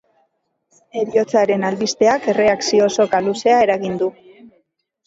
Heriotzaren albisteak erreakzio soka luzea eragin du.